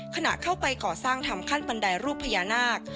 ขณะเข้าไปก่อสร้างทำขั้นบันไดรูปพญานาค